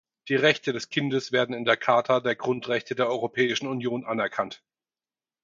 Die Rechte des Kindes werden in der Charta der Grundrechte der Europäischen Union anerkannt.